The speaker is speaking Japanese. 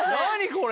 これ。